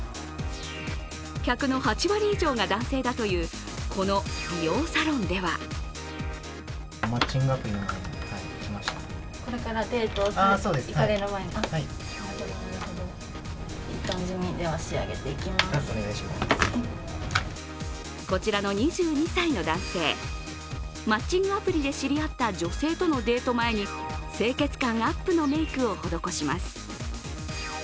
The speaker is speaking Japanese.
客の８割以上が男性だという、この美容サロンではこちらの２２歳の男性マッチングアプリで知り合った女性とのデート前に清潔感アップのメークを施します。